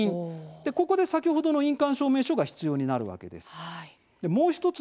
ここで先ほどの印鑑証明書が必要になるわけです。